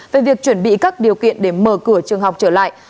về việc chuẩn bị các điều kiện để mở cửa trường học trở lại